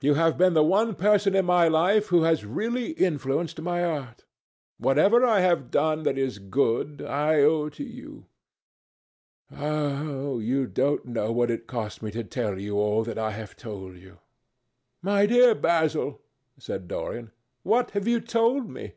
You have been the one person in my life who has really influenced my art. Whatever I have done that is good, I owe to you. Ah! you don't know what it cost me to tell you all that I have told you." "My dear Basil," said Dorian, "what have you told me?